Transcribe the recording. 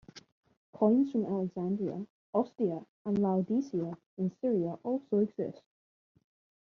Coins from Alexandria, Ostia, and Laodicea in Syria also exist.